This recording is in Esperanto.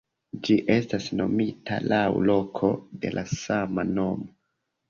Ĝi estas nomita laŭ loko de la sama nomo.